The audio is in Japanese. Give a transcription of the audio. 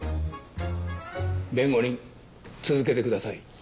弁護人続けてください。